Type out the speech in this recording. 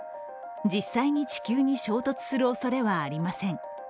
実際に地球に衝突するおそれはありません。